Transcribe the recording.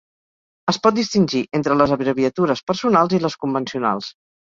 Es pot distingir entre les abreviatures personals i les convencionals.